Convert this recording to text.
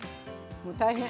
もう大変。